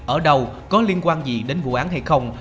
ở đâu có liên quan gì đến vụ án hay không